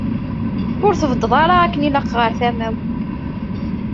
Ur d-tbeddeḍ ara akken ilaq ɣer tama-w.